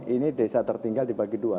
ini desa tertinggal dibagi dua